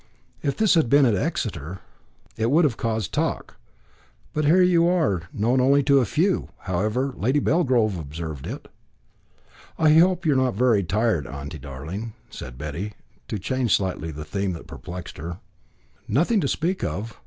If this had been at Exeter, it would have caused talk; but here you are known only to a few; however, Lady Belgrove observed it." "I hope you are not very tired, auntie darling," said Betty, to change slightly the theme that perplexed her. "Nothing to speak of.